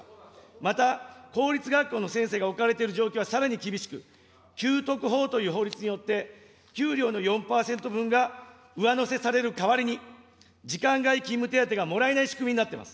また、公立学校の先生が置かれている状況はさらに厳しく、給特法という法律によって、給料の４％分が上乗せされる代わりに、時間外勤務手当がもらえない仕組みになっています。